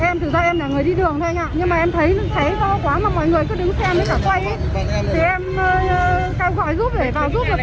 em thử ra em là người đi đường thôi nha nhưng mà em thấy cháy rõ quá mà mọi người cứ đứng xem